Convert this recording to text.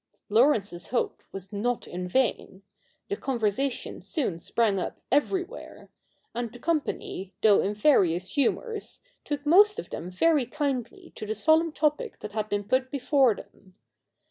Laurence's hope was not in vain. The conversation soon sprang up everywhere ; and the company, though B 2 20 THE NEW REPUBLIC [bk. i in various humours, took most of them very kindly to the solemn topic that had been put before them.